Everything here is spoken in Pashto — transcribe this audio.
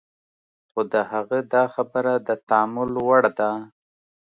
خو د هغه دا خبره د تأمل وړ ده.